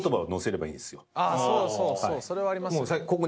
そうそうそれはありますよ。